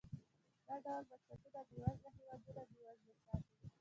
دغه ډول بنسټونه بېوزله هېوادونه بېوزله ساتي.